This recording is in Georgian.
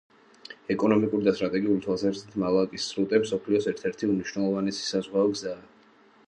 ეკონომიკური და სტრატეგიული თვალსაზრისით, მალაკის სრუტე მსოფლიოს ერთ-ერთი უმნიშვნელოვანესი საზღვაო გზაა.